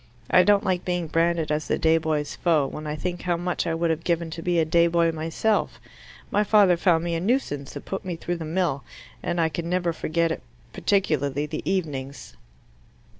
I don't like being branded as the day boy's foe, when I think how much I would have given to be a day boy myself. My father found me a nuisance, and put me through the mill, and I can never forget it particularly the evenings."